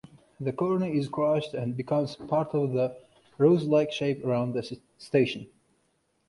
The Corona is crushed and becomes part of the rose-like shape around the station.